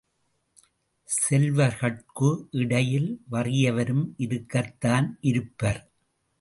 செல்வர்கட்கு இடையில் வறியவரும் இருக்கத்தான் இருப்பர்.